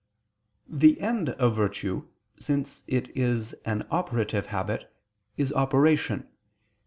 The end of virtue, since it is an operative habit, is operation.